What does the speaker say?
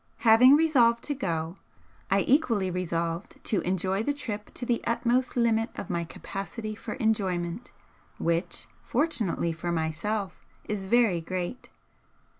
Having resolved to go, I equally resolved to enjoy the trip to the utmost limit of my capacity for enjoyment, which fortunately for myself is very great.